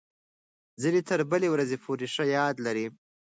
ځینې تر بلې ورځې پورې ښه یاد لري.